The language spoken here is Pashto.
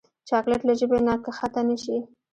چاکلېټ له ژبې نه کښته نه شي.